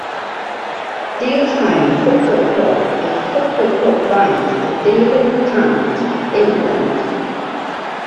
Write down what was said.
Deal Town Football Club is a football club based in Deal in Kent, England.